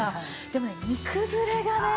でも煮崩れがね